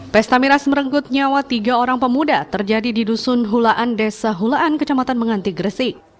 pesta miras merenggut nyawa tiga orang pemuda terjadi di dusun hulaan desa hulaan kecamatan menganti gresik